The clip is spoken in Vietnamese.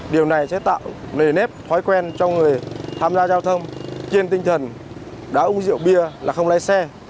điều này sẽ tạo nề nếp thói quen cho người tham gia giao thông kiên tinh thần đã uống rượu bia là không lái xe